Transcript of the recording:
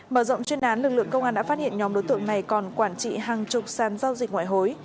mở rộng chuyên án lực lượng công an đã phát hiện nhóm đối tượng này còn quản trị hàng chục sàn giao dịch ngoại hối